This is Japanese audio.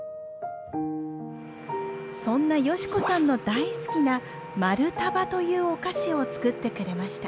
そんなヨシコさんの大好きなマルタバというお菓子を作ってくれました。